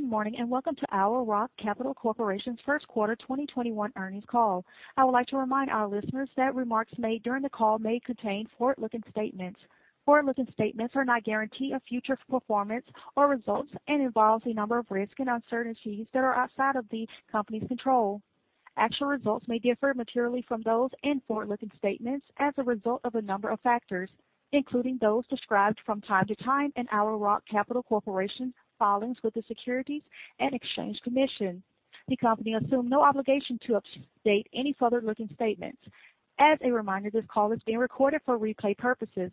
Good morning. Welcome to Owl Rock Capital Corporation's first quarter 2021 earnings call. I would like to remind our listeners that remarks made during the call may contain forward-looking statements. Forward-looking statements are not guarantee of future performance or results, and involves a number of risks and uncertainties that are outside of the company's control. Actual results may differ materially from those in forward-looking statements as a result of a number of factors, including those described from time to time in Owl Rock Capital Corporation's filings with the Securities and Exchange Commission. The company assume no obligation to update any forward-looking statements. As a reminder, this call is being recorded for replay purposes.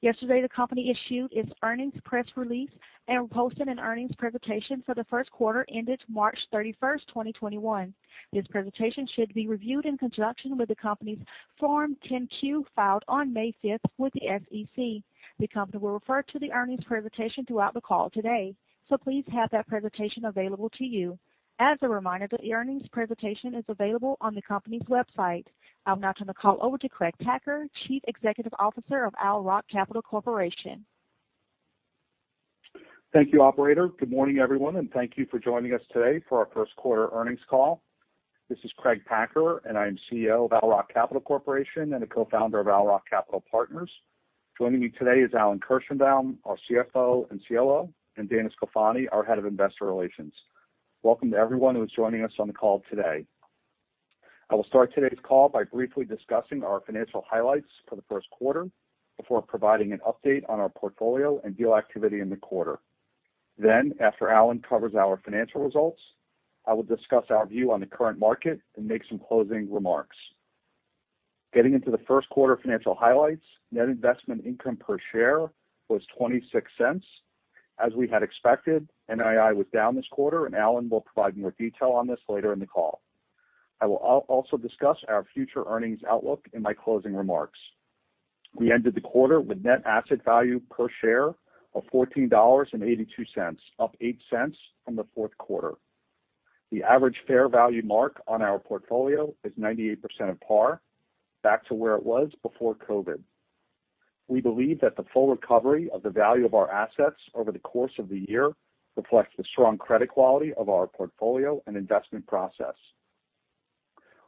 Yesterday, the company issued its earnings press release and posted an earnings presentation for the first quarter ended March 31st, 2021. This presentation should be reviewed in conjunction with the company's Form 10-Q filed on May 5th with the SEC. The company will refer to the earnings presentation throughout the call today, so please have that presentation available to you. As a reminder, the earnings presentation is available on the company's website. I'll now turn the call over to Craig Packer, Chief Executive Officer of Owl Rock Capital Corporation. Thank you, operator. Good morning, everyone. Thank you for joining us today for our first quarter earnings call. This is Craig Packer. I am CEO of Owl Rock Capital Corporation and a co-founder of Owl Rock Capital Partners. Joining me today is Alan Kirshenbaum, our CFO and COO, and Dana Sclafani, our Head of Investor Relations. Welcome to everyone who is joining us on the call today. I will start today's call by briefly discussing our financial highlights for the first quarter before providing an update on our portfolio and deal activity in the quarter. After Alan covers our financial results, I will discuss our view on the current market and make some closing remarks. Getting into the first quarter financial highlights, net investment income per share was $0.26. As we had expected, NII was down this quarter, and Alan will provide more detail on this later in the call. I will also discuss our future earnings outlook in my closing remarks. We ended the quarter with net asset value per share of $14.82, up $0.08 from the fourth quarter. The average fair value mark on our portfolio is 98% of par, back to where it was before COVID. We believe that the full recovery of the value of our assets over the course of the year reflects the strong credit quality of our portfolio and investment process.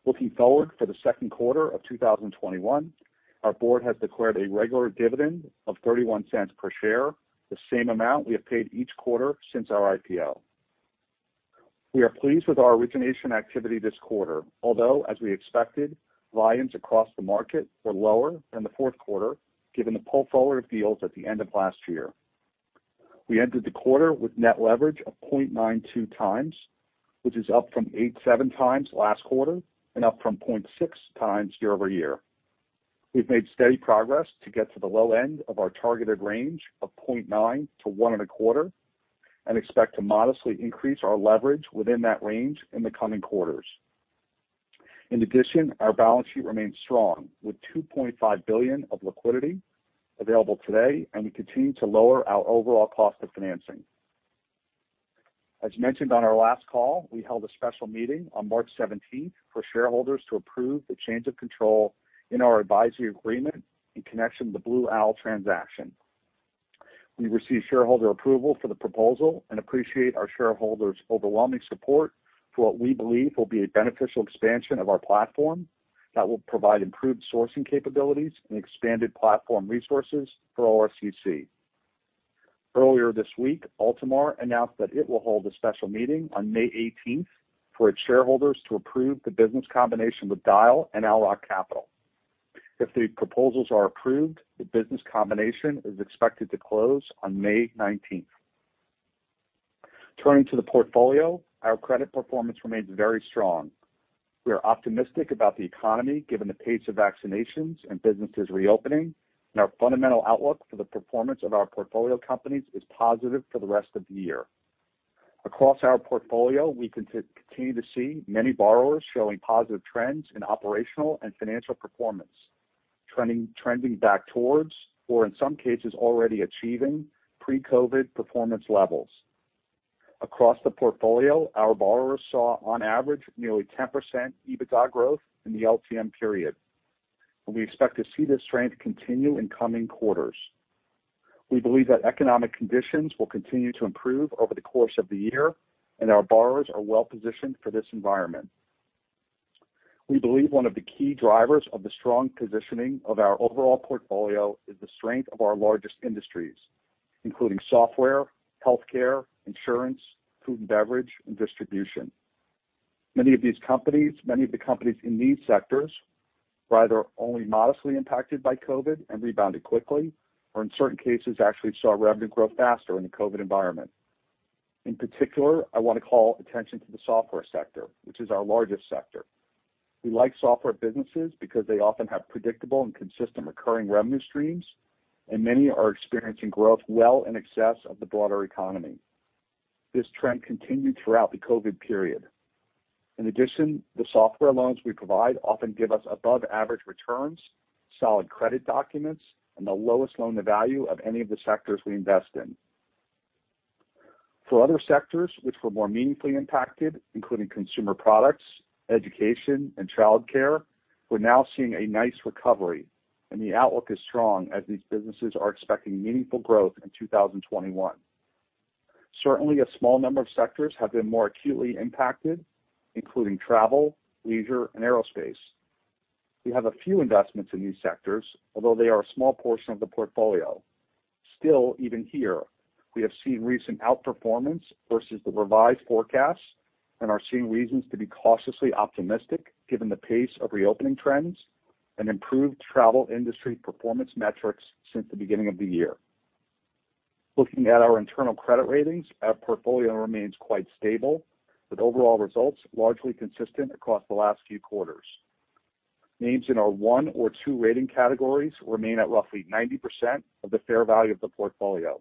Looking forward for the second quarter of 2021, our board has declared a regular dividend of $0.31 per share, the same amount we have paid each quarter since our IPO. We are pleased with our origination activity this quarter, although, as we expected, volumes across the market were lower than the fourth quarter, given the pull-forward of deals at the end of last year. We entered the quarter with net leverage of 0.92x, which is up from 0.87x last quarter and up from 0.6x year-over-year. We've made steady progress to get to the low end of our targeted range of 0.9-1.25, and expect to modestly increase our leverage within that range in the coming quarters. In addition, our balance sheet remains strong, with $2.5 billion of liquidity available today, and we continue to lower our overall cost of financing. As mentioned on our last call, we held a special meeting on March 17th for shareholders to approve the change of control in our advisory agreement in connection with the Blue Owl transaction. We received shareholder approval for the proposal and appreciate our shareholders' overwhelming support for what we believe will be a beneficial expansion of our platform that will provide improved sourcing capabilities and expanded platform resources for ORCC. Earlier this week, Altimar announced that it will hold a special meeting on May 18th for its shareholders to approve the business combination with Dyal and Owl Rock Capital. If the proposals are approved, the business combination is expected to close on May 19th. Turning to the portfolio, our credit performance remains very strong. We are optimistic about the economy, given the pace of vaccinations and businesses reopening, and our fundamental outlook for the performance of our portfolio companies is positive for the rest of the year. Across our portfolio, we continue to see many borrowers showing positive trends in operational and financial performance, trending back towards, or in some cases, already achieving pre-COVID performance levels. Across the portfolio, our borrowers saw on average nearly 10% EBITDA growth in the LTM period. We expect to see this trend continue in coming quarters. We believe that economic conditions will continue to improve over the course of the year, and our borrowers are well-positioned for this environment. We believe one of the key drivers of the strong positioning of our overall portfolio is the strength of our largest industries, including software, healthcare, insurance, food and beverage, and distribution. Many of the companies in these sectors were either only modestly impacted by COVID and rebounded quickly or in certain cases, actually saw revenue grow faster in the COVID environment. In particular, I want to call attention to the software sector, which is our largest sector. We like software businesses because they often have predictable and consistent recurring revenue streams, and many are experiencing growth well in excess of the broader economy. This trend continued throughout the COVID period. In addition, the software loans we provide often give us above-average returns, solid credit documents, and the lowest loan-to-value of any of the sectors we invest in. For other sectors which were more meaningfully impacted, including consumer products, education, and childcare, we're now seeing a nice recovery. The outlook is strong as these businesses are expecting meaningful growth in 2021. Certainly, a small number of sectors have been more acutely impacted, including travel, leisure, and aerospace. We have a few investments in these sectors, although they are a small portion of the portfolio. Still, even here, we have seen recent outperformance versus the revised forecasts and are seeing reasons to be cautiously optimistic given the pace of reopening trends and improved travel industry performance metrics since the beginning of the year. Looking at our internal credit ratings, our portfolio remains quite stable, with overall results largely consistent across the last few quarters. Names in our one or two rating categories remain at roughly 90% of the fair value of the portfolio.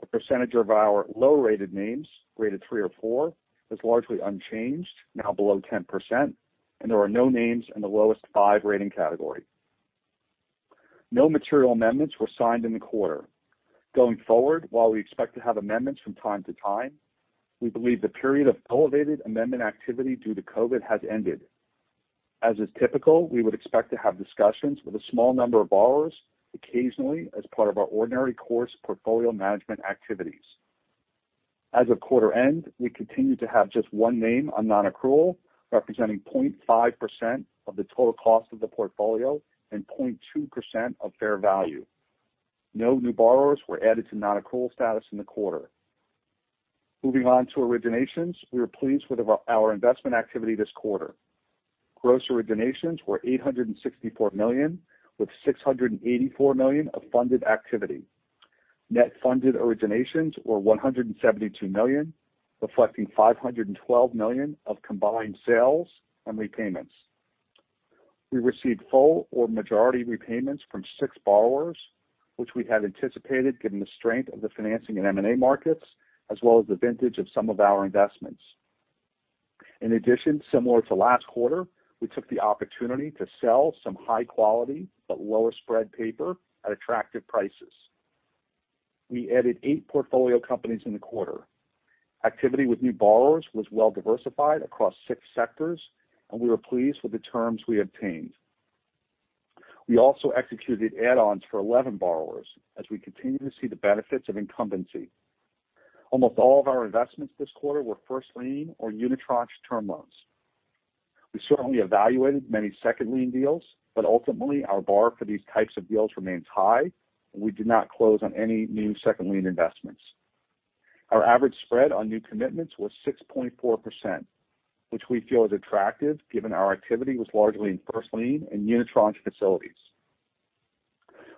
The percentage of our low-rated names, rated three or four, is largely unchanged, now below 10%, and there are no names in the lowest five rating category. No material amendments were signed in the quarter. Going forward, while we expect to have amendments from time to time, we believe the period of elevated amendment activity due to COVID has ended. As is typical, we would expect to have discussions with a small number of borrowers occasionally as part of our ordinary course portfolio management activities. As of quarter end, we continue to have just one name on non-accrual, representing 0.5% of the total cost of the portfolio and 0.2% of fair value. No new borrowers were added to non-accrual status in the quarter. Moving on to originations. We were pleased with our investment activity this quarter. Gross originations were $864 million, with $684 million of funded activity. Net funded originations were $172 million, reflecting $512 million of combined sales and repayments. We received full or majority repayments from six borrowers, which we had anticipated given the strength of the financing in M&A markets, as well as the vintage of some of our investments. In addition, similar to last quarter, we took the opportunity to sell some high quality but lower spread paper at attractive prices. We added eight portfolio companies in the quarter. Activity with new borrowers was well diversified across six sectors, and we were pleased with the terms we obtained. We also executed add-ons for 11 borrowers as we continue to see the benefits of incumbency. Almost all of our investments this quarter were first lien or unitranche term loans. We certainly evaluated many second lien deals, but ultimately our bar for these types of deals remains high, and we did not close on any new second lien investments. Our average spread on new commitments was 6.4%, which we feel is attractive given our activity was largely in first lien and unitranche facilities.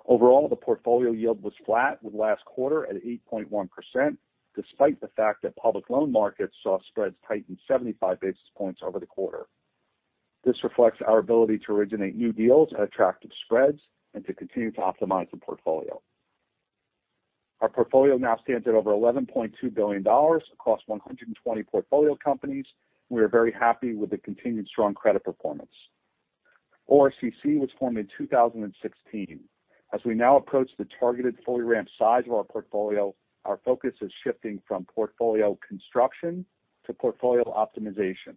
Overall, the portfolio yield was flat with last quarter at 8.1%, despite the fact that public loan markets saw spreads tighten 75 basis points over the quarter. This reflects our ability to originate new deals at attractive spreads and to continue to optimize the portfolio. Our portfolio now stands at over $11.2 billion across 120 portfolio companies. We are very happy with the continued strong credit performance. ORCC was formed in 2016. As we now approach the targeted fully ramped size of our portfolio, our focus is shifting from portfolio construction to portfolio optimization.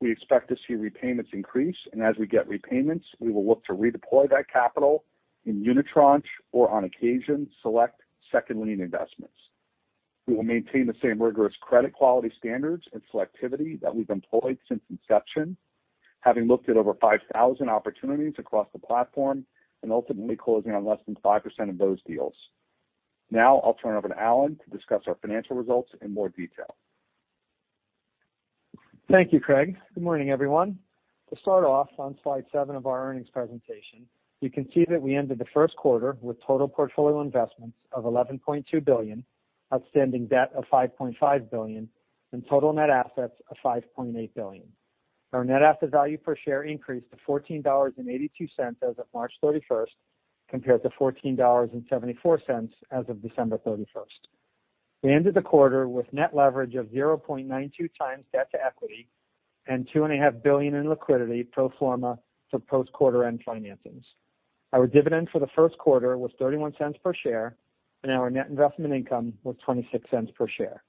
We expect to see repayments increase. As we get repayments, we will look to redeploy that capital in unitranche or on occasion, select second lien investments. We will maintain the same rigorous credit quality standards and selectivity that we've employed since inception, having looked at over 5,000 opportunities across the platform and ultimately closing on less than 5% of those deals. Now I'll turn it over to Alan to discuss our financial results in more detail. Thank you, Craig. Good morning, everyone. To start off on Slide seven of our earnings presentation, you can see that we ended the first quarter with total portfolio investments of $11.2 billion, outstanding debt of $5.5 billion, and total net assets of $5.8 billion. Our net asset value per share increased to $14.82 as of March 31st, compared to $14.74 as of December 31st. We ended the quarter with net leverage of 0.92 times debt to equity and $2.5 billion in liquidity pro forma to post quarter end financings. Our dividend for the first quarter was $0.31 per share, and our net investment income was $0.26 per share.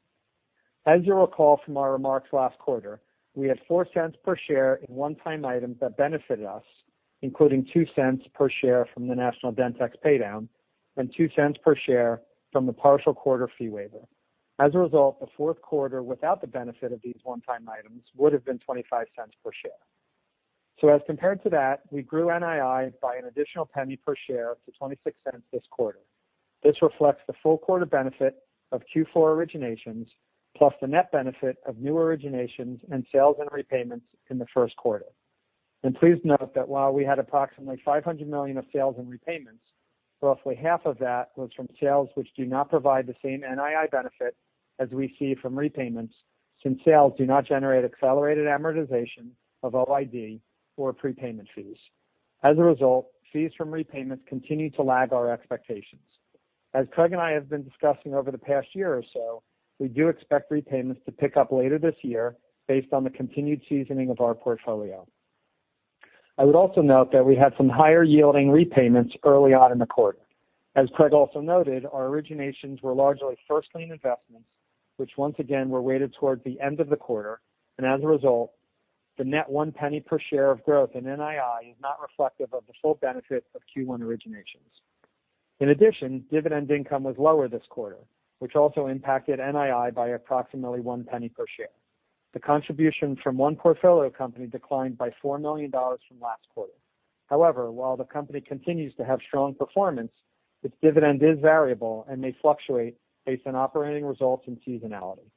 As you'll recall from our remarks last quarter, we had $0.04 per share in one-time items that benefited us, including $0.02 per share from the National Dentex paydown and $0.02 per share from the partial quarter fee waiver. As a result, the fourth quarter without the benefit of these one-time items would have been $0.25 per share. As compared to that, we grew NII by an additional $0.01 per share to $0.26 this quarter. This reflects the full quarter benefit of Q4 originations, plus the net benefit of new originations in sales and repayments in the first quarter. Please note that while we had approximately $500 million of sales and repayments, roughly half of that was from sales which do not provide the same NII benefit as we see from repayments, since sales do not generate accelerated amortization of OID or prepayment fees. As a result, fees from repayments continue to lag our expectations. As Craig and I have been discussing over the past year or so, we do expect repayments to pick up later this year based on the continued seasoning of our portfolio. I would also note that we had some higher-yielding repayments early on in the quarter. As Craig also noted, our originations were largely first lien investments. Which once again were weighted toward the end of the quarter, and as a result, the net one penny per share of growth in NII is not reflective of the full benefit of Q1 originations. In addition, dividend income was lower this quarter, which also impacted NII by approximately one penny per share. The contribution from one portfolio company declined by $4 million from last quarter. However, while the company continues to have strong performance, its dividend is variable and may fluctuate based on operating results and seasonality.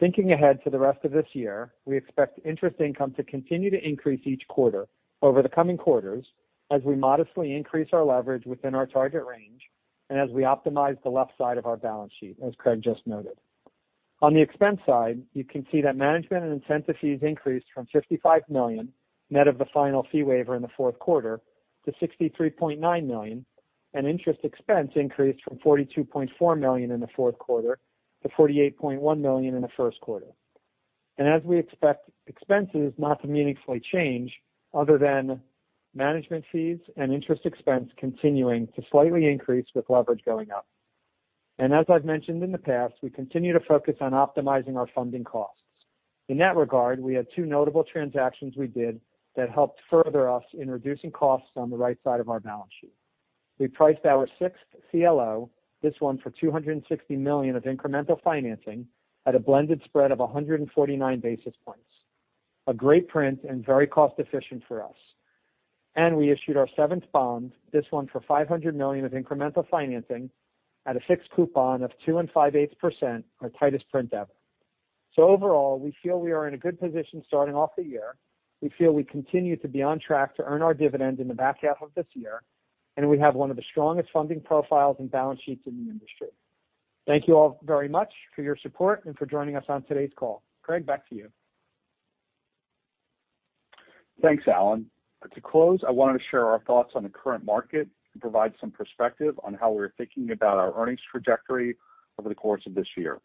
Thinking ahead to the rest of this year, we expect interest income to continue to increase each quarter over the coming quarters as we modestly increase our leverage within our target range, and as we optimize the left side of our balance sheet, as Craig just noted. On the expense side, you can see that management and incentive fees increased from $55 million, net of the final fee waiver in the fourth quarter, to $63.9 million, and interest expense increased from $42.4 million in the fourth quarter to $48.1 million in the first quarter. As we expect expenses not to meaningfully change, other than management fees and interest expense continuing to slightly increase with leverage going up. As I've mentioned in the past, we continue to focus on optimizing our funding costs. In that regard, we had two notable transactions we did that helped further us in reducing costs on the right side of our balance sheet. We priced our sixth CLO, this one for $260 million of incremental financing at a blended spread of 149 basis points. A great print and very cost-efficient for us. We issued our seventh bond, this one for $500 million of incremental financing at a fixed coupon of two and five-eighths percent, our tightest print ever. Overall, we feel we are in a good position starting off the year. We feel we continue to be on track to earn our dividend in the back half of this year, and we have one of the strongest funding profiles and balance sheets in the industry. Thank you all very much for your support and for joining us on today's call. Craig, back to you. Thanks, Alan. To close, I wanted to share our thoughts on the current market and provide some perspective on how we're thinking about our earnings trajectory over the course of this year.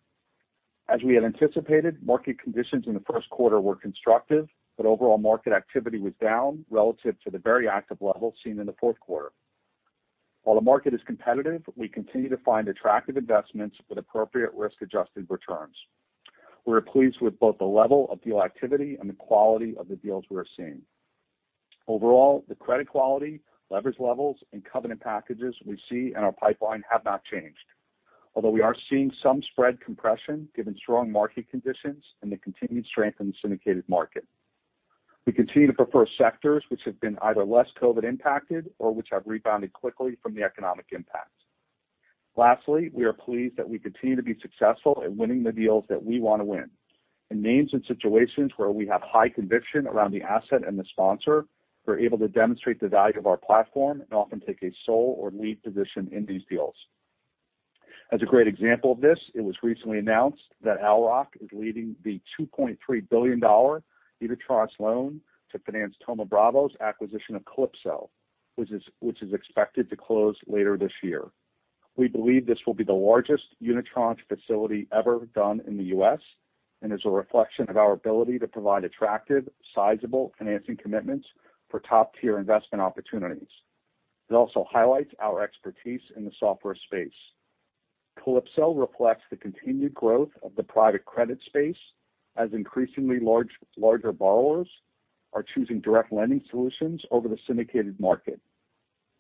As we had anticipated, market conditions in the first quarter were constructive, but overall market activity was down relative to the very active level seen in the fourth quarter. While the market is competitive, we continue to find attractive investments with appropriate risk-adjusted returns. We're pleased with both the level of deal activity and the quality of the deals we are seeing. Overall, the credit quality, leverage levels, and covenant packages we see in our pipeline have not changed. Although we are seeing some spread compression given strong market conditions and the continued strength in the syndicated market. We continue to prefer sectors which have been either less COVID impacted or which have rebounded quickly from the economic impact. Lastly, we are pleased that we continue to be successful at winning the deals that we want to win. In names and situations where we have high conviction around the asset and the sponsor, we're able to demonstrate the value of our platform and often take a sole or lead position in these deals. As a great example of this, it was recently announced that Owl Rock is leading the $2.3 billion unitranche loan to finance Thoma Bravo's acquisition of Calypso, which is expected to close later this year. We believe this will be the largest unitranche facility ever done in the U.S. and is a reflection of our ability to provide attractive, sizable financing commitments for top-tier investment opportunities. It also highlights our expertise in the software space. Calypso reflects the continued growth of the private credit space as increasingly larger borrowers are choosing direct lending solutions over the syndicated market.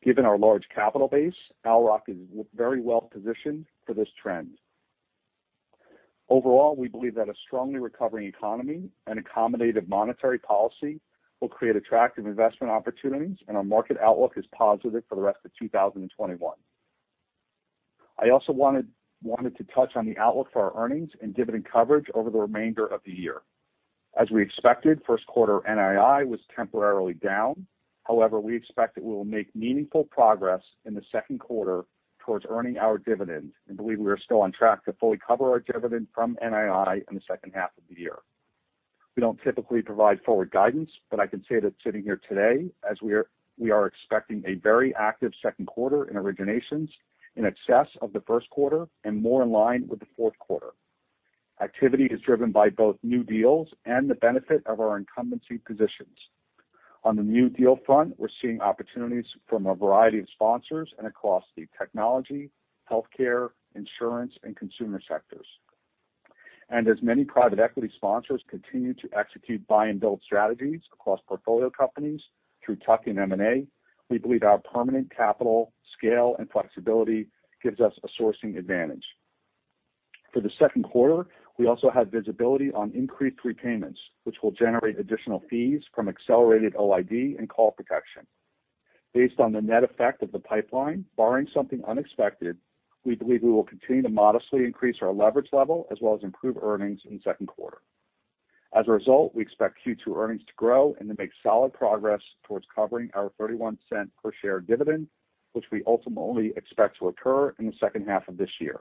Given our large capital base, Owl Rock is very well positioned for this trend. Overall, we believe that a strongly recovering economy and accommodative monetary policy will create attractive investment opportunities, and our market outlook is positive for the rest of 2021. I also wanted to touch on the outlook for our earnings and dividend coverage over the remainder of the year. As we expected, first quarter NII was temporarily down. However, we expect that we will make meaningful progress in the second quarter towards earning our dividend and believe we are still on track to fully cover our dividend from NII in the second half of the year. We don't typically provide forward guidance, but I can say that sitting here today as we are expecting a very active second quarter in originations in excess of the first quarter and more in line with the fourth quarter. Activity is driven by both new deals and the benefit of our incumbency positions. On the new deal front, we're seeing opportunities from a variety of sponsors and across the technology, healthcare, insurance, and consumer sectors. As many private equity sponsors continue to execute buy and build strategies across portfolio companies through tuck-in M&A, we believe our permanent capital, scale, and flexibility gives us a sourcing advantage. For the second quarter, we also have visibility on increased repayments, which will generate additional fees from accelerated OID and call protection. Based on the net effect of the pipeline, barring something unexpected, we believe we will continue to modestly increase our leverage level as well as improve earnings in the second quarter. As a result, we expect Q2 earnings to grow and to make solid progress towards covering our $0.31 per share dividend, which we ultimately expect to occur in the second half of this year.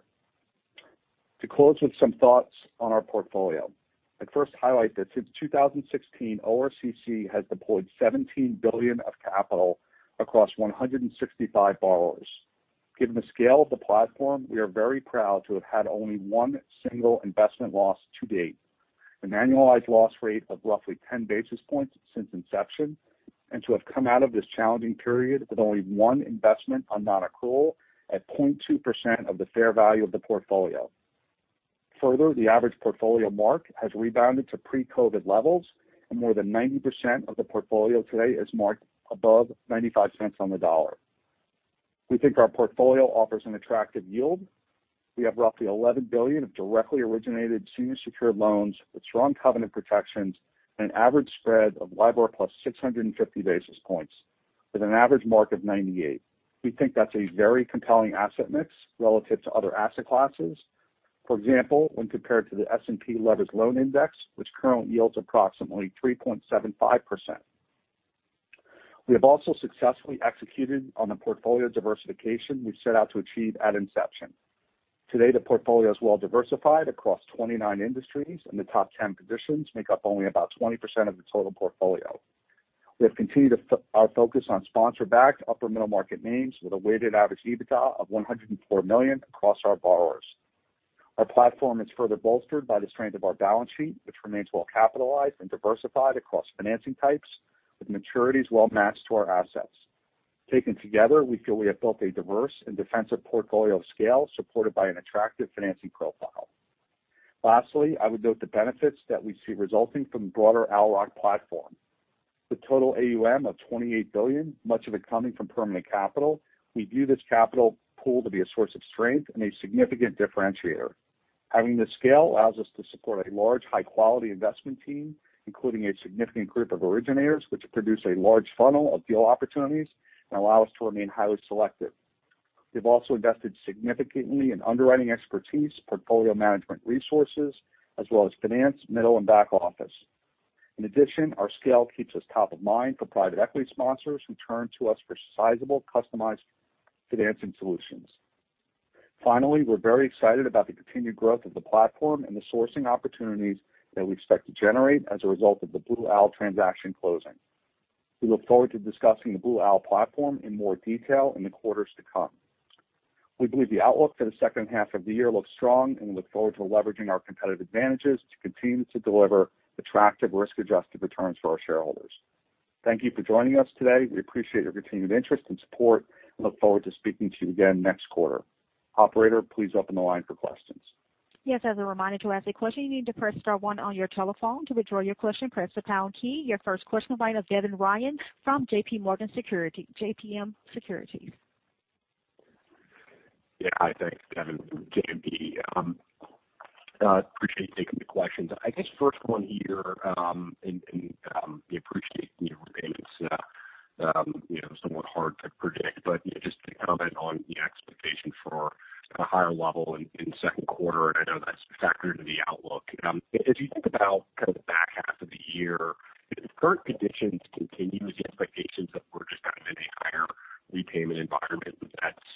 To close with some thoughts on our portfolio. I'd first highlight that since 2016, ORCC has deployed $17 billion of capital across 165 borrowers. Given the scale of the platform, we are very proud to have had only one single investment loss to date. An annualized loss rate of roughly 10 basis points since inception, and to have come out of this challenging period with only one investment on non-accrual at 0.2% of the fair value of the portfolio. The average portfolio mark has rebounded to pre-COVID levels and more than 90% of the portfolio today is marked above $0.95 on the dollar. We think our portfolio offers an attractive yield. We have roughly $11 billion of directly originated senior secured loans with strong covenant protections and an average spread of LIBOR plus 650 basis points with an average mark of $0.98. We think that's a very compelling asset mix relative to other asset classes. For example, when compared to the S&P Leveraged Loan Index, which currently yields approximately 3.75%. We have also successfully executed on the portfolio diversification we've set out to achieve at inception. Today, the portfolio is well diversified across 29 industries, and the top 10 positions make up only about 20% of the total portfolio. We have continued our focus on sponsor-backed upper middle-market names with a weighted average EBITDA of $104 million across our borrowers. Our platform is further bolstered by the strength of our balance sheet, which remains well capitalized and diversified across financing types, with maturities well matched to our assets. Taken together, we feel we have built a diverse and defensive portfolio of scale supported by an attractive financing profile. I would note the benefits that we see resulting from the broader Owl Rock platform. With total AUM of $28 billion, much of it coming from permanent capital, we view this capital pool to be a source of strength and a significant differentiator. Having this scale allows us to support a large, high-quality investment team, including a significant group of originators, which produce a large funnel of deal opportunities and allow us to remain highly selective. We've also invested significantly in underwriting expertise, portfolio management resources, as well as finance, middle, and back office. In addition, our scale keeps us top of mind for private equity sponsors who turn to us for sizable, customized financing solutions. Finally, we're very excited about the continued growth of the platform and the sourcing opportunities that we expect to generate as a result of the Blue Owl transaction closing. We look forward to discussing the Blue Owl platform in more detail in the quarters to come. We believe the outlook for the second half of the year looks strong, and we look forward to leveraging our competitive advantages to continue to deliver attractive risk-adjusted returns for our shareholders. Thank you for joining us today. We appreciate your continued interest and support and look forward to speaking to you again next quarter. Operator, please open the line for questions. Yes. As a reminder, to ask a question, you need to press star one on your telephone. To withdraw your question, press the pound key. Your first question by Kevin Ryan from JMP Securities. Yeah. Hi. Thanks, Kevin from JMP. Appreciate you taking the questions. I guess first one here. We appreciate repayments somewhat hard to predict, but just to comment on the expectation for a higher level in second quarter, and I know that's factored into the outlook. As you think about kind of the back half of the year, if current conditions continue with the expectations that we're just kind of in a higher repayment environment, that's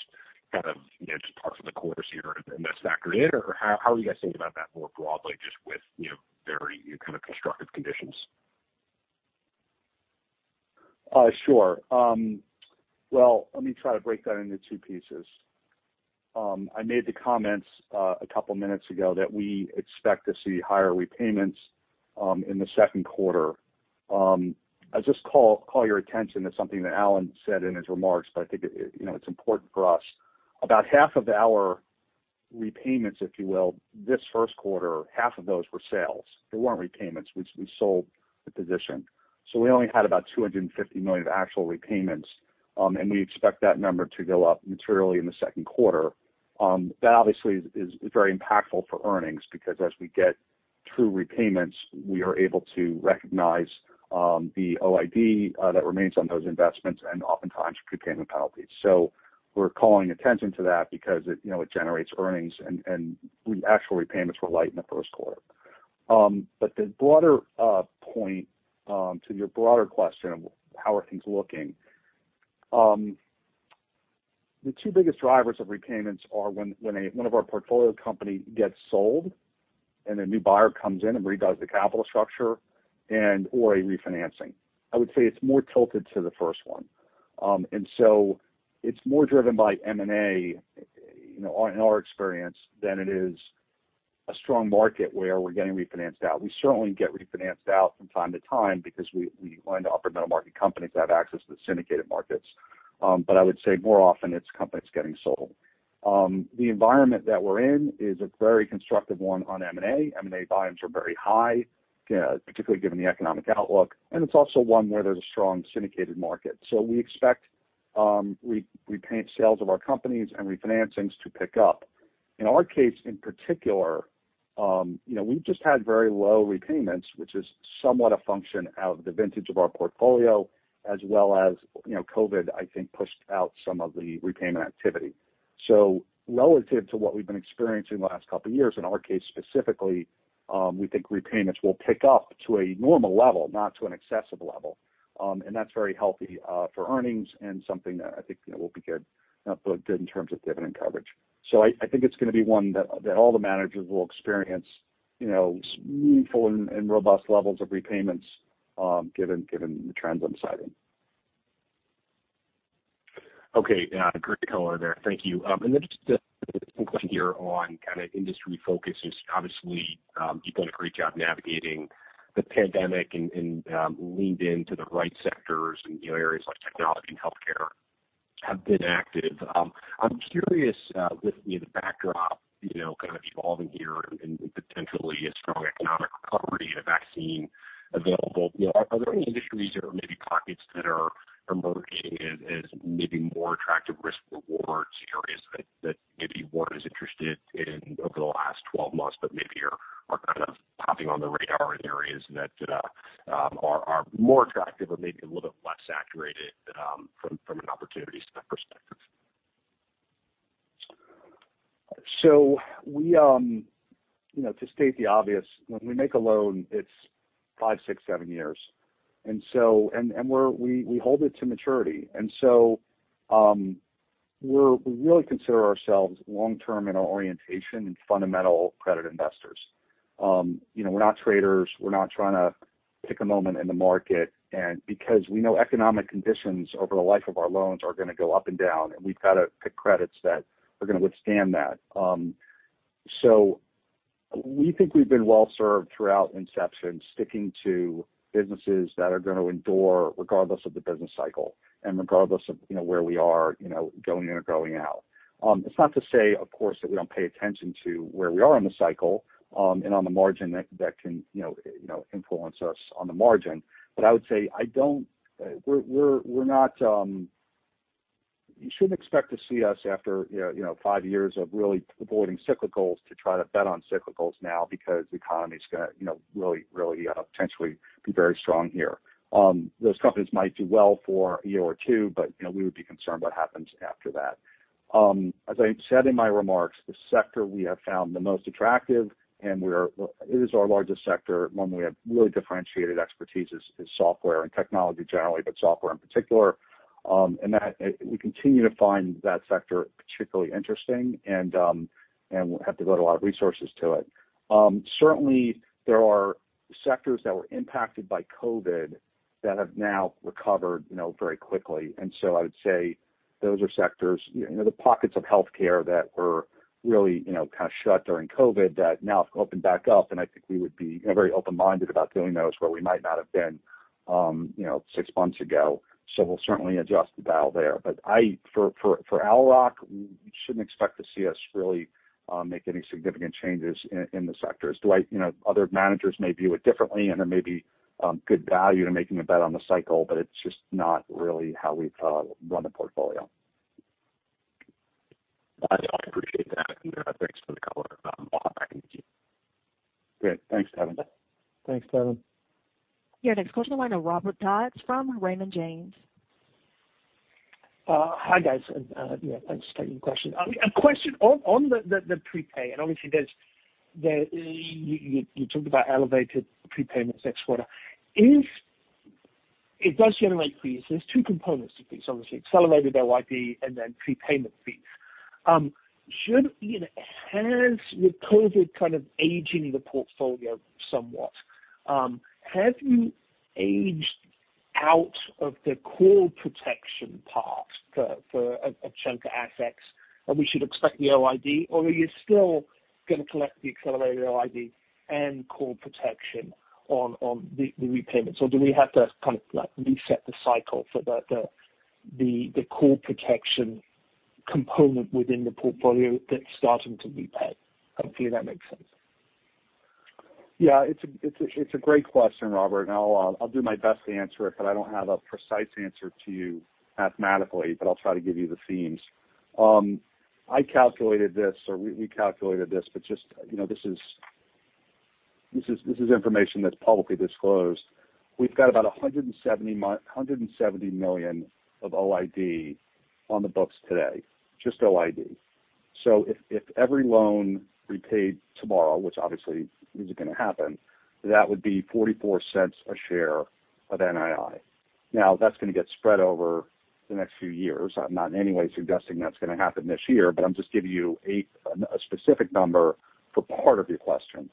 kind of just par for the course here and that's factored in? How are you guys thinking about that more broadly, just with very kind of constructive conditions? Sure. Well, let me try to break that into two pieces. I made the comments a couple minutes ago that we expect to see higher repayments in the second quarter. I'd just call your attention to something that Alan said in his remarks that I think it's important for us. About half of our repayments, if you will, this first quarter, half of those were sales. They weren't repayments. We sold the position. We only had about $250 million of actual repayments, and we expect that number to go up materially in the second quarter. That obviously is very impactful for earnings because as we get true repayments, we are able to recognize the OID that remains on those investments and oftentimes prepayment penalties. We're calling attention to that because it generates earnings and actual repayments were light in the first quarter. The broader point to your broader question of how are things looking? The two biggest drivers of repayments are when one of our portfolio company gets sold and a new buyer comes in and redoes the capital structure and/or a refinancing. I would say it's more tilted to the first one. It's more driven by M&A in our experience than it is a strong market where we're getting refinanced out. We certainly get refinanced out from time to time because we lend to upper middle market companies that have access to the syndicated markets. I would say more often it's companies getting sold. The environment that we're in is a very constructive one on M&A. M&A volumes are very high, particularly given the economic outlook, and it's also one where there's a strong syndicated market. We expect repayment sales of our companies and refinancings to pick up. In our case, in particular, we've just had very low repayments, which is somewhat a function out of the vintage of our portfolio as well as COVID, I think, pushed out some of the repayment activity. Relative to what we've been experiencing the last couple of years, in our case specifically, we think repayments will pick up to a normal level, not to an excessive level. That's very healthy for earnings and something that I think will be good in terms of dividend coverage. I think it's going to be one that all the managers will experience meaningful and robust levels of repayments given the trends I'm citing. Okay. Great color there. Thank you. Just a question here on kind of industry focus. Obviously, you've done a great job navigating the pandemic and leaned into the right sectors and areas like technology and healthcare have been active. I'm curious with the backdrop evolving here and potentially a strong economic recovery and a vaccine available, are there any industries or maybe pockets that are emerging as maybe more attractive risk-reward scenarios that maybe weren't as interested in over the last 12 months, but maybe are kind of popping on the radar in areas that are more attractive or maybe a little bit less saturated from an opportunity set perspective? To state the obvious, when we make a loan, it's five, six, seven years. We hold it to maturity. We really consider ourselves long-term in our orientation and fundamental credit investors. We're not traders. We're not trying to pick a moment in the market. Because we know economic conditions over the life of our loans are going to go up and down, and we've got to pick credits that are going to withstand that. We think we've been well-served throughout inception, sticking to businesses that are going to endure regardless of the business cycle and regardless of where we are, going in or going out. It's not to say, of course, that we don't pay attention to where we are in the cycle, and on the margin that can influence us on the margin. I would say you shouldn't expect to see us after five years of really avoiding cyclicals to try to bet on cyclicals now because the economy is going to really potentially be very strong here. Those companies might do well for a year or two, but we would be concerned what happens after that. As I said in my remarks, the sector we have found the most attractive and it is our largest sector, one we have really differentiated expertise, is software and technology generally, but software in particular. We continue to find that sector particularly interesting, and we have devoted a lot of resources to it. Certainly, there are sectors that were impacted by COVID that have now recovered very quickly. I would say those are sectors, the pockets of healthcare that were really kind of shut during COVID that now have opened back up, and I think we would be very open-minded about doing those where we might not have been six months ago. We'll certainly adjust the dial there. For Owl Rock, you shouldn't expect to see us really make any significant changes in the sectors. Other managers may view it differently, and there may be good value to making a bet on the cycle, but it's just not really how we run the portfolio. I appreciate that. Thanks for the color. We'll hop back to you. Great. Thanks, Kevin. Thanks, Kevin. Your next question will go to Robert Dodd from Raymond James. Hi, guys. Yeah, thanks for taking the question. A question on the prepay. Obviously, you talked about elevated prepayments next quarter. If it does generate fees, there's two components to fees, obviously. Accelerated OID and then prepayment fees. With COVID kind of aging the portfolio somewhat, have you aged out of the call protection part for a chunk of assets, and we should expect the OID? Are you still going to collect the accelerated OID and call protection on the repayments? Do we have to kind of reset the cycle for the call protection component within the portfolio that's starting to repay? Hopefully that makes sense. It's a great question, Robert Dodd. I'll do my best to answer it. I don't have a precise answer to you mathematically. I'll try to give you the themes. I calculated this, or we calculated this. Just this is information that's publicly disclosed. We've got about $170 million of OID on the books today. Just OID. If every loan repaid tomorrow, which obviously isn't going to happen, that would be $0.44 a share of NII. That's going to get spread over the next few years. I'm not in any way suggesting that's going to happen this year. I'm just giving you a specific number for part of your question.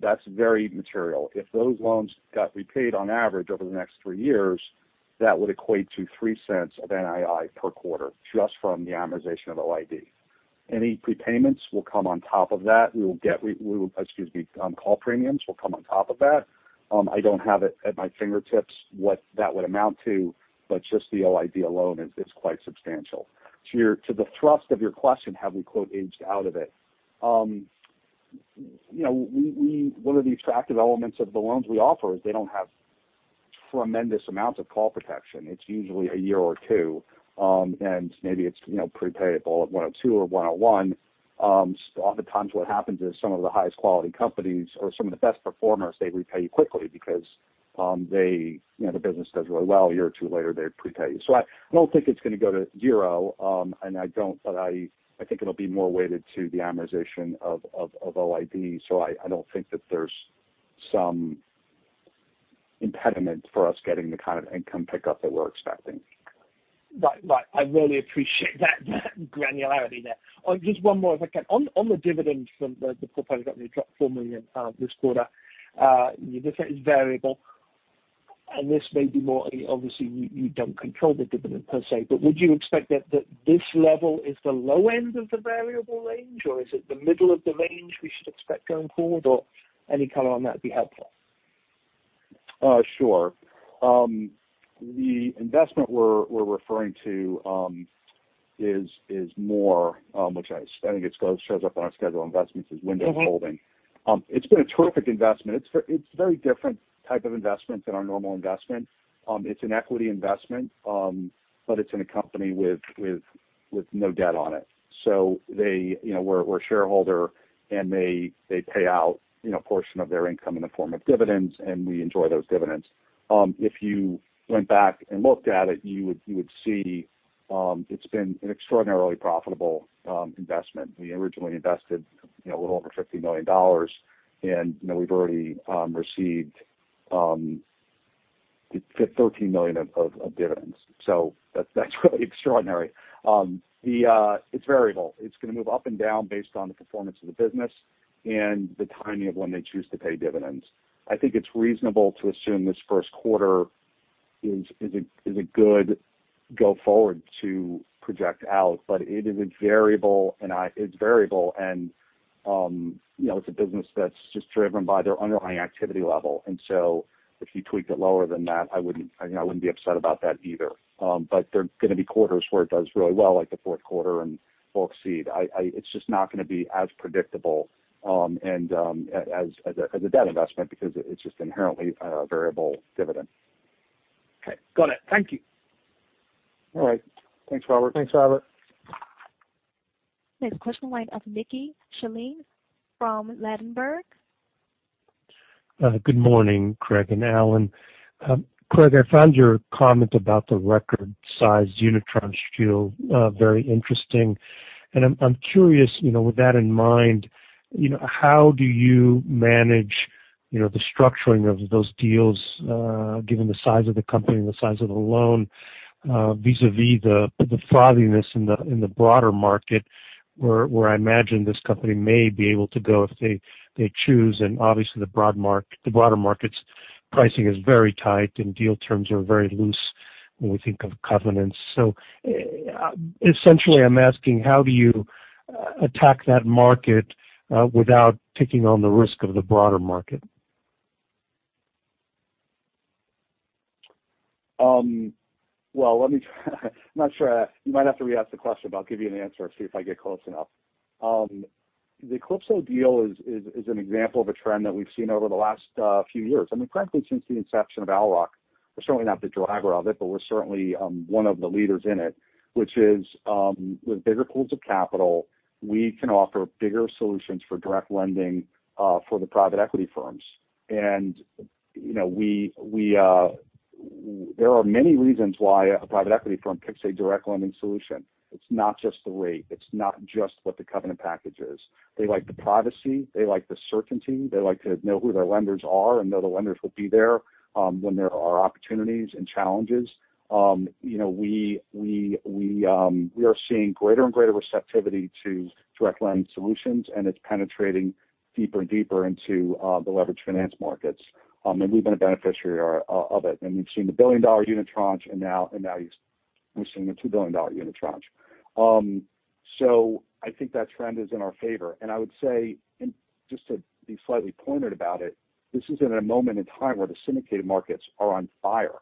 That's very material. If those loans got repaid on average over the next three years, that would equate to $0.03 of NII per quarter, just from the amortization of OID. Any prepayments will come on top of that. Call premiums will come on top of that. I don't have it at my fingertips what that would amount to, but just the OID alone is quite substantial. To the thrust of your question, have we aged out of it? One of the attractive elements of the loans we offer is they don't have tremendous amounts of call protection. It's usually a year or two. Maybe it's prepayable at 102 or 101. Oftentimes, what happens is some of the highest quality companies or some of the best performers, they repay you quickly because the business does really well. A year or two later, they prepay you. I don't think it's going to go to zero. I think it'll be more weighted to the amortization of OID. I don't think that there's some impediment for us getting the kind of income pickup that we're expecting. Right. I really appreciate that granularity there. Just one more if I can. On the dividend from the portfolio company, it dropped $4 million this quarter. You just said it's variable. This may be more, obviously, you don't control the dividend per se, but would you expect that this level is the low end of the variable range, or is it the middle of the range we should expect going forward? Any color on that'd be helpful. Sure. The investment we're referring to is more, which I think it shows up on our schedule investments as Wingspire Holding. It's been a terrific investment. It's very different type of investment than our normal investment. It's an equity investment, but it's in a company with no debt on it. We're a shareholder, and they pay out a portion of their income in the form of dividends, and we enjoy those dividends. If you went back and looked at it, you would see it's been an extraordinarily profitable investment. We originally invested a little over $50 million, and we've already received $13 million of dividends. That's really extraordinary. It's variable. It's going to move up and down based on the performance of the business and the timing of when they choose to pay dividends. I think it's reasonable to assume this first quarter is a good go-forward to project out, but it is a variable, and it's a business that's just driven by their underlying activity level. If you tweaked it lower than that, I wouldn't be upset about that either. There are going to be quarters where it does really well, like the fourth quarter, and will exceed. It's just not going to be as predictable as a debt investment because it's just inherently a variable dividend. Okay, got it. Thank you. All right. Thanks, Robert. Thanks, Robert. Next question line of Mickey Schleien from Ladenburg. Good morning, Craig and Alan. Craig, I found your comment about the record-sized unitranche deal very interesting. I'm curious, with that in mind, how do you manage the structuring of those deals, given the size of the company and the size of the loan, vis-a-vis the frothiness in the broader market, where I imagine this company may be able to go if they choose, and obviously the broader market's pricing is very tight and deal terms are very loose when we think of covenants. Essentially, I'm asking, how do you attack that market without taking on the risk of the broader market? Well, I'm not sure. You might have to re-ask the question, but I'll give you an answer and see if I get close enough. The Calypso Technology deal is an example of a trend that we've seen over the last few years. I mean, frankly, since the inception of Owl Rock, we're certainly not the driver of it, but we're certainly one of the leaders in it, which is with bigger pools of capital, we can offer bigger solutions for direct lending for the private equity firms. There are many reasons why a private equity firm picks a direct lending solution. It's not just the rate. It's not just what the covenant package is. They like the privacy. They like the certainty. They like to know who their lenders are and know the lenders will be there when there are opportunities and challenges. We are seeing greater and greater receptivity to direct lending solutions, and it's penetrating deeper and deeper into the leveraged finance markets. We've been a beneficiary of it. We've seen the $1 billion unitranche, and now we're seeing the $2 billion unitranche. I think that trend is in our favor. I would say, just to be slightly pointed about it, this is in a moment in time where the syndicated markets are on fire,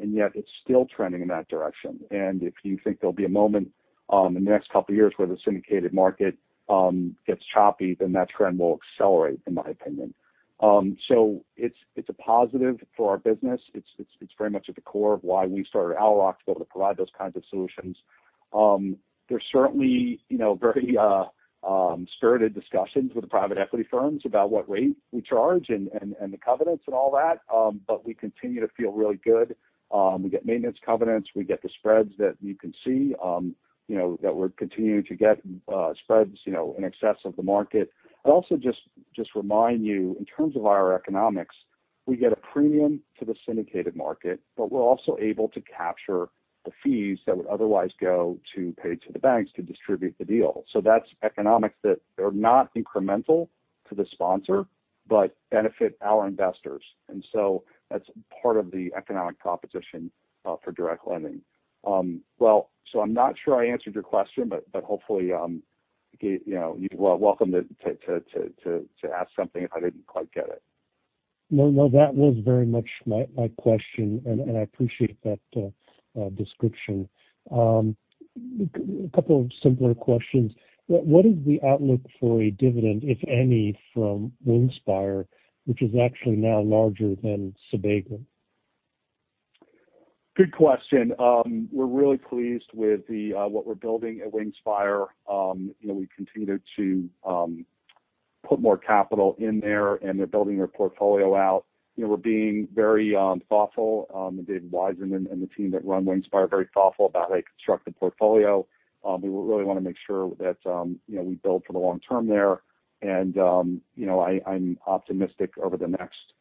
and yet it's still trending in that direction. If you think there'll be a moment in the next couple of years where the syndicated market gets choppy, then that trend will accelerate, in my opinion. It's a positive for our business. It's very much at the core of why we started ORCC to be able to provide those kinds of solutions. There's certainly very spirited discussions with the private equity firms about what rate we charge and the covenants and all that. We continue to feel really good. We get maintenance covenants. We get the spreads that you can see that we're continuing to get spreads in excess of the market. I'd also just remind you, in terms of our economics, we get a premium to the syndicated market. We're also able to capture the fees that would otherwise go to pay to the banks to distribute the deal. That's economics that are not incremental to the sponsor but benefit our investors. That's part of the economic competition for direct lending. Well, I'm not sure I answered your question, hopefully. You're welcome to ask something if I didn't quite get it. That was very much my question, and I appreciate that description. A couple of simpler questions. What is the outlook for a dividend, if any, from Wingspire, which is actually now larger than Sebago? Good question. We're really pleased with what we're building at Wingspire. We've continued to put more capital in there, and they're building their portfolio out. We're being very thoughtful. David Waisman and the team that run Wingspire are very thoughtful about how they construct the portfolio. We really want to make sure that we build for the long term there. And I'm optimistic over the next year,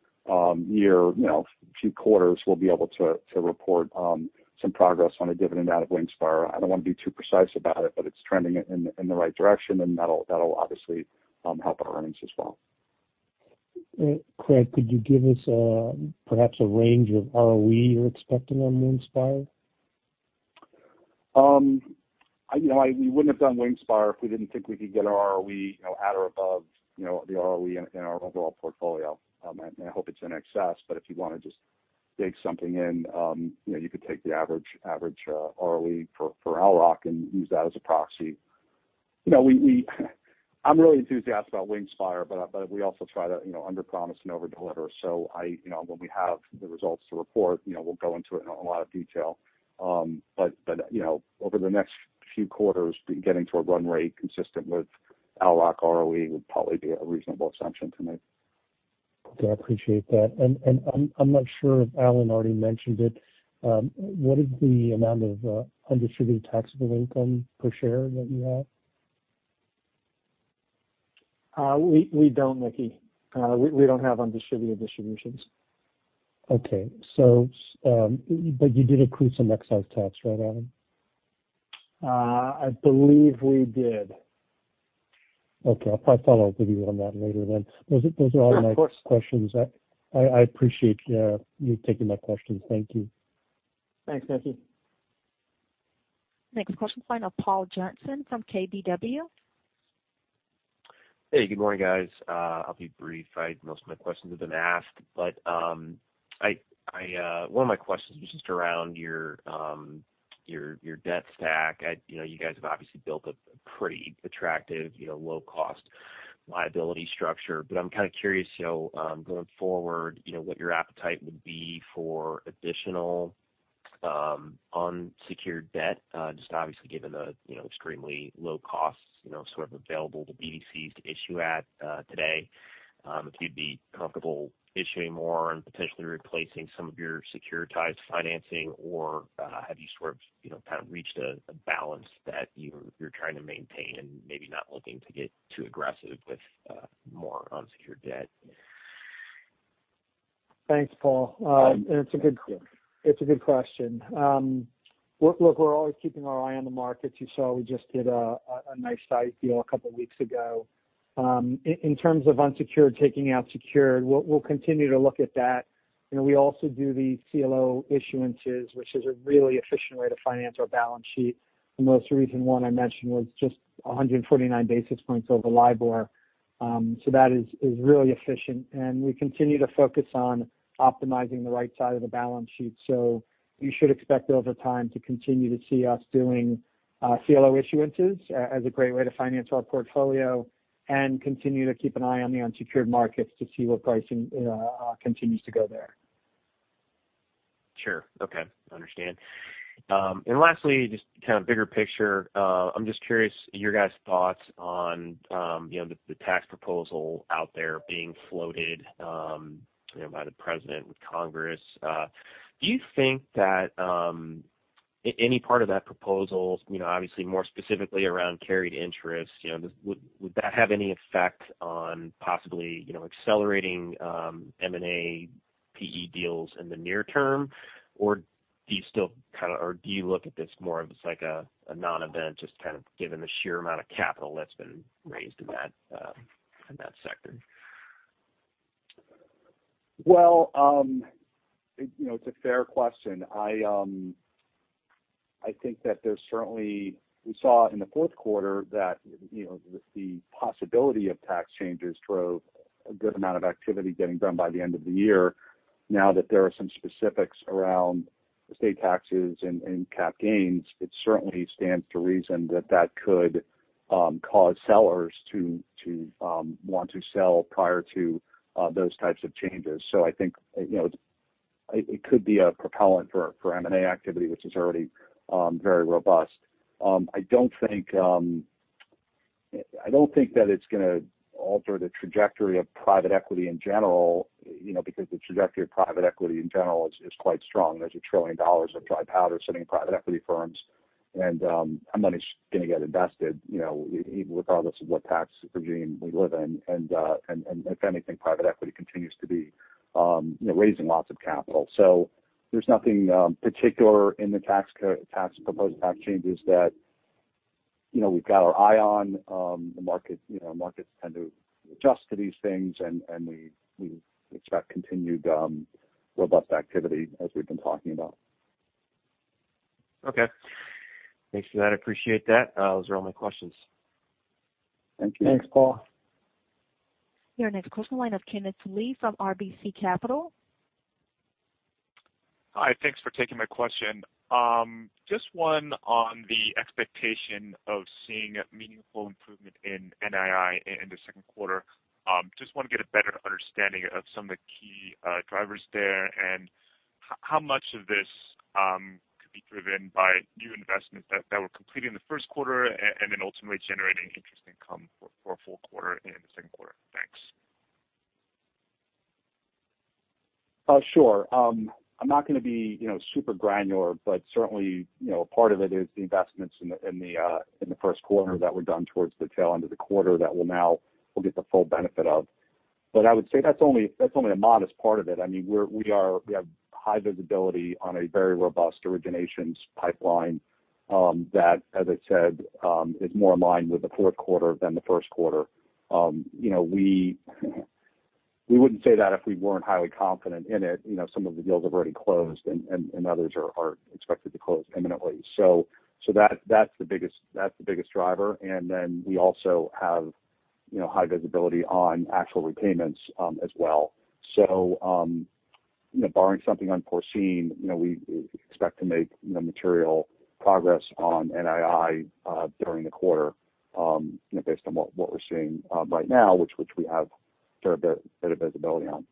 few quarters, we'll be able to report some progress on a dividend out of Wingspire. I don't want to be too precise about it, but it's trending in the right direction, and that'll obviously help our earnings as well. Craig, could you give us perhaps a range of ROE you're expecting on Wingspire? We wouldn't have done Wingspire if we didn't think we could get our ROE at or above the ROE in our overall portfolio. I hope it's in excess, but if you want to just dig something in, you could take the average ROE for ORCC and use that as a proxy. I'm really enthusiastic about Wingspire, but we also try to under promise and over deliver. When we have the results to report, we'll go into it in a lot of detail. Over the next few quarters, getting to a run rate consistent with ORCC ROE would probably be a reasonable assumption to make. Okay. I appreciate that. I'm not sure if Alan already mentioned it. What is the amount of undistributed taxable income per share that you have? We don't, Mickey. We don't have undistributed distributions. You did accrue some excise tax, right, Alan? I believe we did. Okay. I'll probably follow up with you on that later then. Yeah, of course. Those are all my questions. I appreciate you taking my questions. Thank you. Thanks, Mickey. Next question is line of Paul Johnson from KBW. Hey, good morning, guys. I'll be brief. Most of my questions have been asked. One of my questions was just around your debt stack. You guys have obviously built a pretty attractive low cost liability structure. I'm kind of curious, going forward, what your appetite would be for additional unsecured debt, just obviously given the extremely low costs sort of available to BDCs to issue at today. If you'd be comfortable issuing more and potentially replacing some of your securitized financing, or have you sort of reached a balance that you're trying to maintain and maybe not looking to get too aggressive with more unsecured debt? Thanks, Paul. It's a good question. Look, we're always keeping our eye on the market. You saw we just did a nice deal a couple of weeks ago. In terms of unsecured taking out secured, we'll continue to look at that. We also do the CLO issuances, which is a really efficient way to finance our balance sheet. The most recent one I mentioned was just 149 basis points over LIBOR. That is really efficient, and we continue to focus on optimizing the right side of the balance sheet. You should expect over time to continue to see us doing CLO issuances as a great way to finance our portfolio and continue to keep an eye on the unsecured markets to see where pricing continues to go there. Sure. Okay. I understand. Lastly, just kind of bigger picture. I'm just curious your guys' thoughts on the tax proposal out there being floated by the President with Congress. Do you think that any part of that proposal, obviously more specifically around carried interest, would that have any effect on possibly accelerating M&A PE deals in the near term, or do you look at this more of as like a non-event, just kind of given the sheer amount of capital that's been raised in that sector? Well, it's a fair question. I think that there's we saw in the fourth quarter that the possibility of tax changes drove a good amount of activity getting done by the end of the year. Now that there are some specifics around estate taxes and cap gains, it certainly stands to reason that that could cause sellers to want to sell prior to those types of changes. I think it could be a propellant for M&A activity, which is already very robust. I don't think that it's going to alter the trajectory of private equity in general because the trajectory of private equity in general is quite strong. There's a $1 trillion of dry powder sitting in private equity firms, that money's going to get invested, even regardless of what tax regime we live in. If anything, private equity continues to be raising lots of capital. There's nothing particular in the proposed tax changes that we've got our eye on. Markets tend to adjust to these things, and we expect continued robust activity as we've been talking about. Okay. Thanks for that. I appreciate that. Those are all my questions. Thank you. Thanks, Paul. Your next question line of Kenneth Lee from RBC Capital. Hi. Thanks for taking my question. Just one on the expectation of seeing meaningful improvement in NII in the second quarter. Just want to get a better understanding of some of the key drivers there, and how much of this could be driven by new investments that were completed in the first quarter and then ultimately generating interest income for a full quarter in the second quarter? Thanks. Sure. I'm not going to be super granular. Certainly, part of it is the investments in the first quarter that were done towards the tail end of the quarter that we'll now get the full benefit of. I would say that's only a modest part of it. We have high visibility on a very robust originations pipeline that, as I said, is more in line with the fourth quarter than the first quarter. We wouldn't say that if we weren't highly confident in it. Some of the deals have already closed, and others are expected to close imminently. That's the biggest driver. Then we also have high visibility on actual repayments as well. Barring something unforeseen, we expect to make material progress on NII during the quarter based on what we're seeing right now, which we have fair bit of visibility on.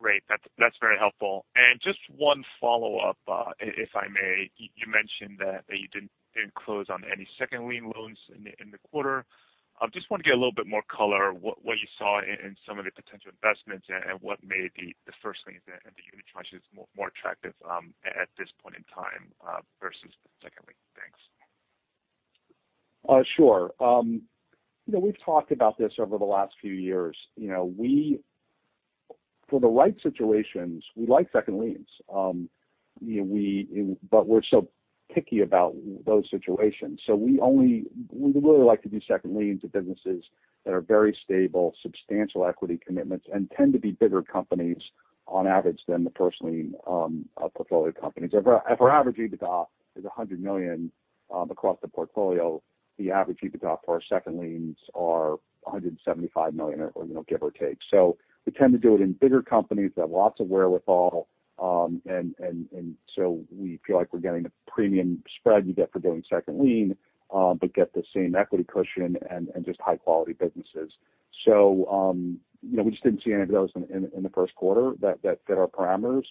Great. That's very helpful. Just one follow-up, if I may. You mentioned that you didn't close on any second lien loans in the quarter. Just want to get a little bit more color what you saw in some of the potential investments and what made the first lien and the unitranches more attractive at this point in time versus the second lien. Thanks. Sure. We've talked about this over the last few years. For the right situations, we like second liens. We're so picky about those situations. We really like to do second liens with businesses that are very stable, substantial equity commitments, and tend to be bigger companies on average than the first lien portfolio companies. If our average EBITDA is $100 million across the portfolio, the average EBITDA for our second liens are $175 million, give or take. We tend to do it in bigger companies that have lots of wherewithal. We feel like we're getting the premium spread you get for doing second lien, but get the same equity cushion and just high-quality businesses. We just didn't see any of those in the first quarter that fit our parameters.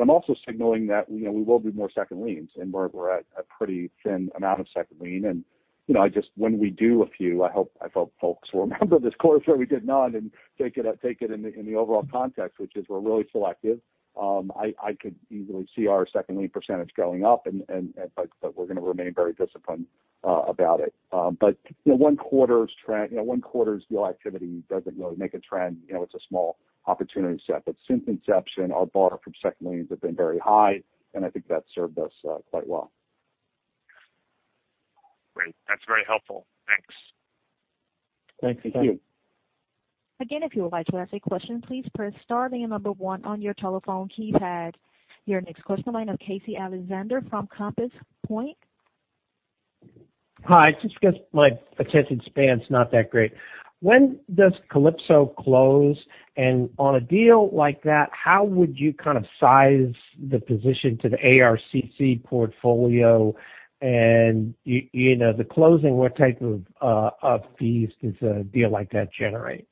I'm also signaling that we will do more second liens, and we're at a pretty thin amount of second lien. Just when we do a few, I hope folks will remember this quarter we did none and take it in the overall context, which is we're really selective. I could easily see our second lien percent going up, but we're going to remain very disciplined about it. One quarter's deal activity doesn't really make a trend. It's a small opportunity set. Since inception, our bar from second liens have been very high, and I think that's served us quite well. Great. That's very helpful. Thanks. Thank you. Thank you. Again, if you would like to ask a question, please press star then number one on your telephone keypad. Your next question line of Casey Alexander from Compass Point. Hi. Just because my attention span's not that great. When does Calypso close? On a deal like that, how would you kind of size the position to the ARCC portfolio? The closing, what type of fees does a deal like that generate?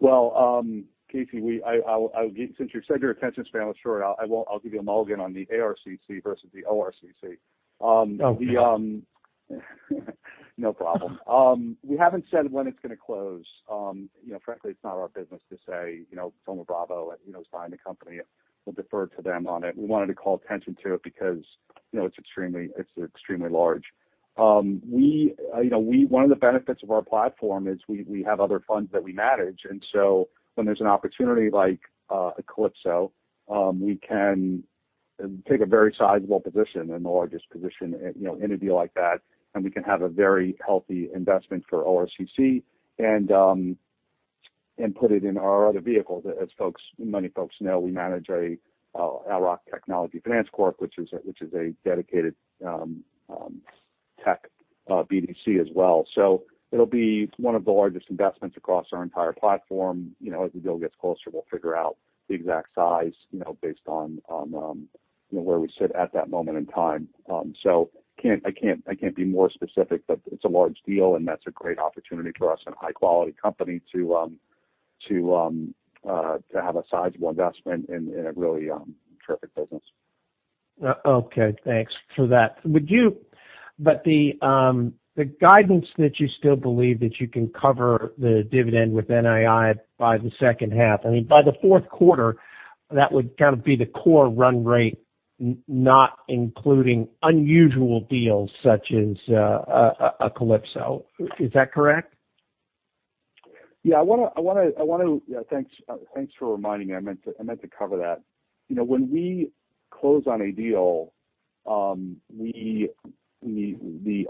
Well, Casey, since you said your attention span was short, I'll give you a Mulligan on the ARCC versus the ORCC. Oh, okay. No problem. We haven't said when it's going to close. Frankly, it's not our business to say. Thoma Bravo is buying the company. We'll defer to them on it. We wanted to call attention to it because it's extremely large. One of the benefits of our platform is we have other funds that we manage, and so when there's an opportunity like a Calypso, we can take a very sizable position and the largest position in a deal like that, and we can have a very healthy investment for ORCC and put it in our other vehicle. As many folks know, we manage a Owl Rock Technology Finance Corp, which is a dedicated tech BDC as well. It'll be one of the largest investments across our entire platform. As the deal gets closer, we'll figure out the exact size, based on where we sit at that moment in time. I can't be more specific, but it's a large deal, and that's a great opportunity for us and a high-quality company to have a sizable investment in a really terrific business. Okay, thanks for that. The guidance that you still believe that you can cover the dividend with NII by the second half, I mean, by the fourth quarter, that would kind of be the core run rate, not including unusual deals such as a Calypso. Is that correct? Yeah. Thanks for reminding me. I meant to cover that. When we close on a deal, the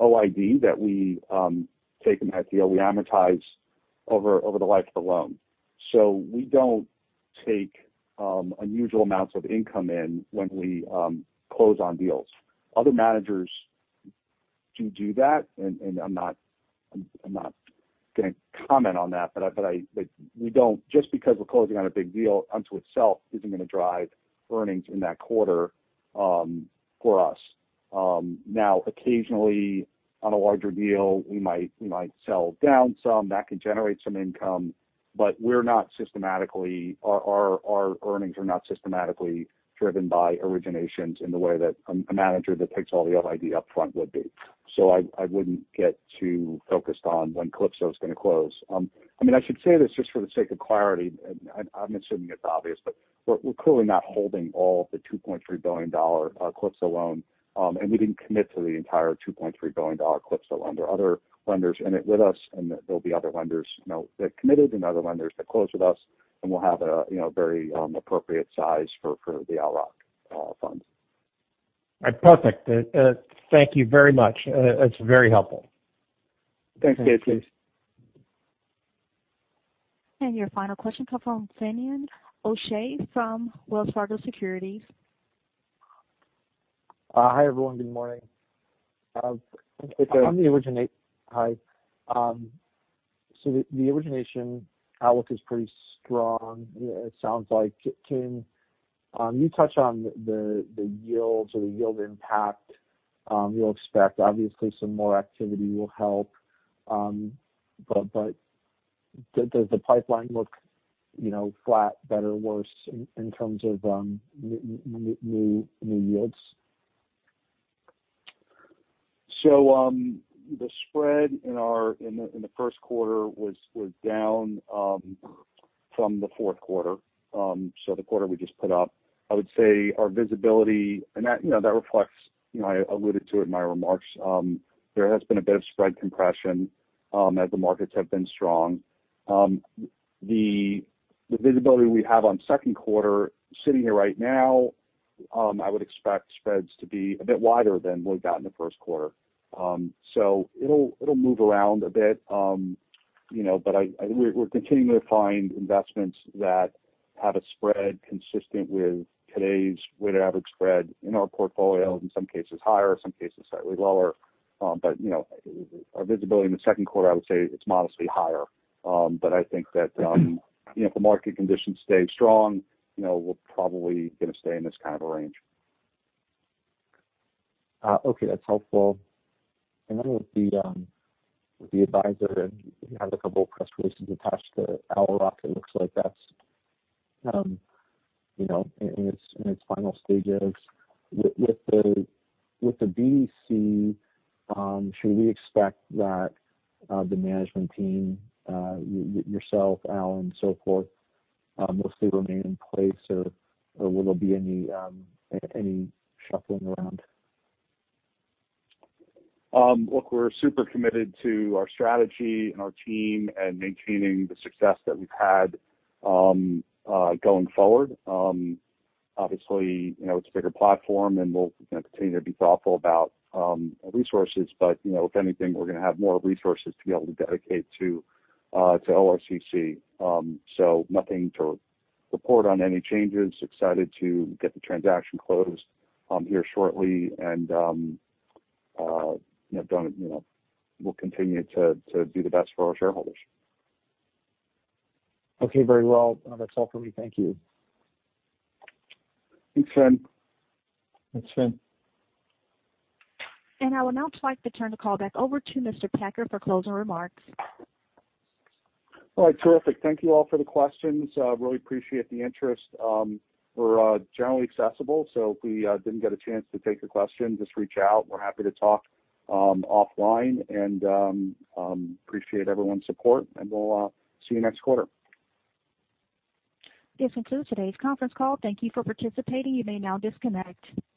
OID that we take in that deal, we amortize over the life of the loan. We don't take unusual amounts of income in when we close on deals. Other managers do that, and I'm not going to comment on that, but we don't. Just because we're closing on a big deal unto itself isn't going to drive earnings in that quarter for us. Now, occasionally, on a larger deal, we might sell down some. That can generate some income. Our earnings are not systematically driven by originations in the way that a manager that takes all the OID upfront would be. I wouldn't get too focused on when Calypso's going to close. I should say this just for the sake of clarity, and I'm assuming it's obvious, but we're clearly not holding all of the $2.3 billion Calypso loan, and we didn't commit to the entire $2.3 billion Calypso loan. There are other lenders in it with us, and there'll be other lenders that committed and other lenders that close with us, and we'll have a very appropriate size for the ORCC fund. Perfect. Thank you very much. It's very helpful. Thanks, Casey. Your final question comes from Finian O'Shea from Wells Fargo Securities. Hi, everyone. Good morning. Hey, Finian. Hi. The origination outlook is pretty strong, it sounds like. Can you touch on the yields or the yield impact you'll expect? Obviously, some more activity will help. Does the pipeline look flat, better, worse in terms of new yields? The spread in the first quarter was down from the fourth quarter, so the quarter we just put up. I alluded to it in my remarks. There has been a bit of spread compression as the markets have been strong. The visibility we have on second quarter, sitting here right now, I would expect spreads to be a bit wider than what we got in the first quarter. It'll move around a bit. We're continuing to find investments that have a spread consistent with today's weighted average spread in our portfolio, in some cases higher, some cases slightly lower. Our visibility in the second quarter, I would say it's modestly higher. I think that if the market conditions stay strong, we're probably going to stay in this kind of a range. Okay. That's helpful. With the Advisor, you had a couple of press releases attached to Owl Rock. It looks like that's in its final stages. With the BDC, should we expect that the management team, yourself, Alan, so forth, will still remain in place? Will there be any shuffling around? Look, we're super committed to our strategy and our team and maintaining the success that we've had going forward. Obviously, it's a bigger platform, and we'll continue to be thoughtful about resources. If anything, we're going to have more resources to be able to dedicate to ORCC. Nothing to report on any changes. Excited to get the transaction closed here shortly. We'll continue to do the best for our shareholders. Okay. Very well. That's all for me. Thank you. Thanks, Finian. Thanks, Finian. I would now just like to turn the call back over to Craig Packer for closing remarks. All right. Terrific. Thank you all for the questions. Really appreciate the interest. We're generally accessible, so if we didn't get a chance to take a question, just reach out. We're happy to talk offline and appreciate everyone's support, and we'll see you next quarter. This concludes today's conference call. Thank you for participating. You may now disconnect.